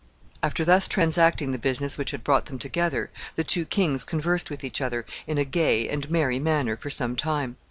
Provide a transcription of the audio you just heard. After thus transacting the business which had brought them together, the two kings conversed with each other in a gay and merry manner for some time.